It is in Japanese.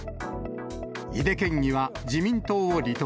井手県議は、自民党を離党。